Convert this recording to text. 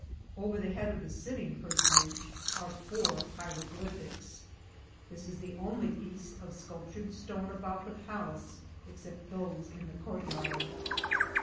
Over the head of the sitting personage are four hieroglyphics. This is the only piece of sculptured stone about the pal ace except those in the courtyard.